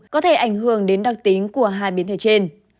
có thể ảnh hưởng đến đặc tính của hai biến thể trên